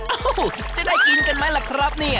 อ้าวจะได้กินกันไหมล่ะครับ